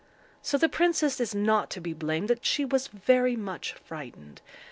So the princess is not to be blamed that she was very much frightened.